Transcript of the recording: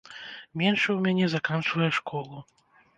Меншы ў мяне заканчвае школу.